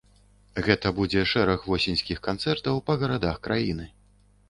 Гэта будзе шэраг восеньскіх канцэртаў па гарадах краіны.